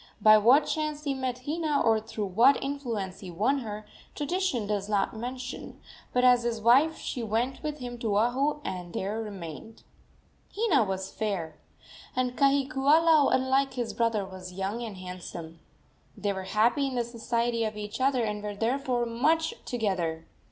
By what chance he met Hina, or through what influence he won her, tradition does not mention, but as his wife she went with him to Oahu, and there remained. Hina was fair, and Kahikiula, unlike his brother, was young and handsome. They were happy in the society of each other, and were therefore much together.